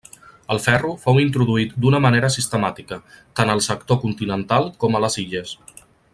El ferro fou introduït d'una manera sistemàtica, tant al sector continental com a les Illes.